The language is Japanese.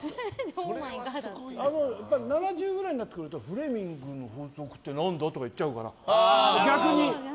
７０くらいになってくるとフレミングの法則って何だ？とか言っちゃうから。